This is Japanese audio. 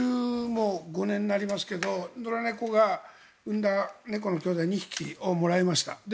１５年になりますけど野良猫が生んだ猫のきょうだい２匹をもらいました。